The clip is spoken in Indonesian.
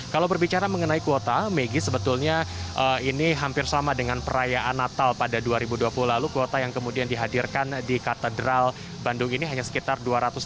kalau berbicara mengenai kuota maggie sebetulnya ini hampir sama dengan perayaan natal pada dua ribu dua puluh lalu kuota yang kemudian dihadirkan di katedral bandung ini hanya sekitar dua ratus